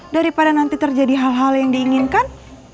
daripada nanti terjadi hal hal yang diinginkan